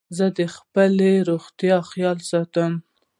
زه د خپلي روغتیا خیال ساتم.